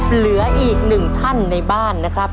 เหลืออีกหนึ่งท่านในบ้านนะครับ